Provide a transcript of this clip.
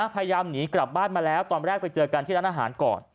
พยายามหนีกลับบ้านมาแล้วตอนแรกไปเจอกันที่ร้านอาหารก่อน